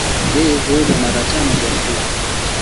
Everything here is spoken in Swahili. Yeye huoga mara tano kwa siku